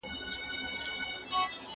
¬ لنده ژبه هري خوا ته اوړي.